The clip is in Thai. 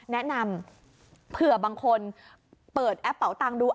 แนะนำเผื่อบางคนเปิดแอปเป่าตังค์ดู